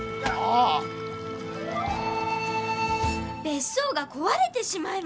別荘が壊れてしまいます！